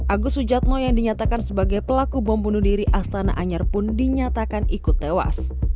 agus sujatno yang dinyatakan sebagai pelaku bom bunuh diri astana anyar pun dinyatakan ikut tewas